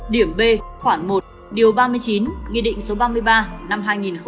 điểm b khoảng một điều ba mươi chín nghị định số ba mươi ba năm hai nghìn một mươi